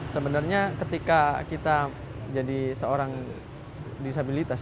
sebenarnya ketika kita jadi seorang disabilitas